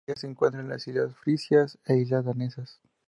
En la bahía se encuentran las islas Frisias e islas Danesas.